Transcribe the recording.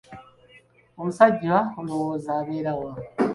Omusajja olowooza abeera wa?